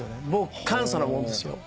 簡素なもんですよ。